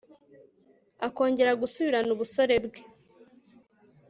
akongera gusubirana ubusore bwe